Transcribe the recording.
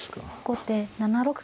後手７六角。